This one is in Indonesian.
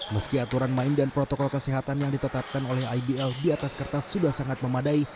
meski aturan main dan protokol kesehatan yang ditetapkan oleh ibl di atas kertas sudah sangat memadai